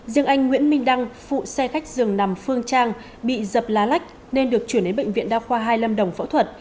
riêng anh nguyễn minh đăng phụ xe khách dường nằm phương trang bị dập lá lách nên được chuyển đến bệnh viện đa khoa hai lâm đồng phẫu thuật